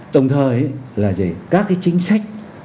đồng thời là các cái chính sách